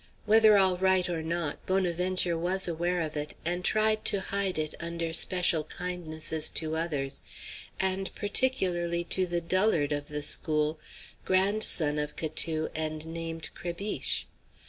Whether all right or not, Bonaventure was aware of it, and tried to hide it under special kindnesses to others, and particularly to the dullard of the school, grandson of Catou and nicknamed Crébiche.